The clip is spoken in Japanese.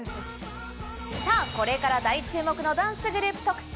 これから大注目のダンスグループ特集。